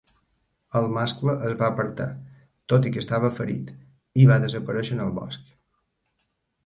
El mascle es va apartar, tot i que estava ferit, i va desaparèixer en el bosc.